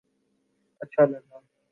اچھا لگا